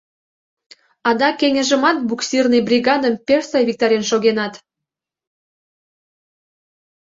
Адак кеҥежымат буксирный бригадым пеш сай виктарен шогенат.